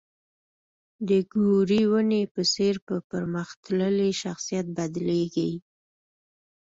د ګورې ونې په څېر په پرمختللي شخصیت بدلېږي.